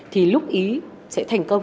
thì lúc ý sẽ thành công